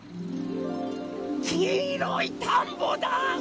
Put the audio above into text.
きいろいたんぼだ！